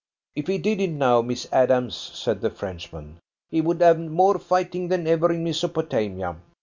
"If he did it now, Miss Adams," said the Frenchman, "he would have more fighting than ever in Mesopotamia.